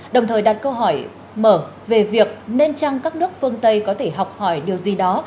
đồng thời đặt câu hỏi mở về việc nên chăng các nước phương tây có thể học hỏi điều gì đó